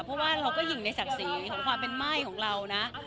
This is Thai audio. เพราะว่าเราก็หญิงในศักดิ์ศรีของความเป็นม่ายของเรานะ